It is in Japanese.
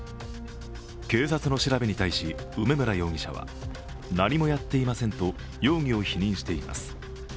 警察の調べに対し梅村容疑者は何もやっていませんと容疑を否認しています。